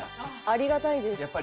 ありがたいです。